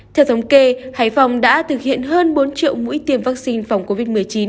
theo thống kê hải phòng đã thực hiện hơn bốn triệu mũi tiêm vaccine phòng covid một mươi chín